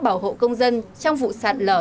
bảo hộ công dân trong vụ sạt lở